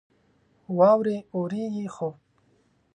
واورې اوريږي ،خو